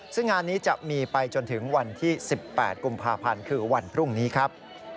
ซึ่งงานนี้จะมีไปจนถึงวันที่๑๘กุมภาพันธ์คือวันพรุ่งนี้ครับ